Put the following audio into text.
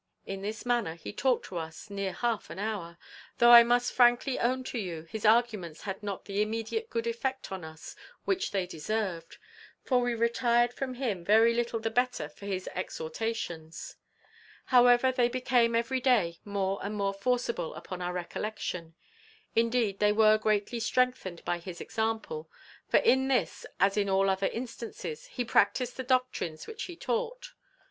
In this manner he talked to us near half an hour, though I must frankly own to you his arguments had not the immediate good effect on us which they deserved, for we retired from him very little the better for his exhortations; however, they became every day more and more forcible upon our recollection; indeed, they were greatly strengthened by his example; for in this, as in all other instances, he practised the doctrines which he taught.